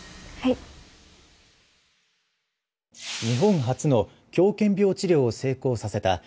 日本初の狂犬病治療を成功させた。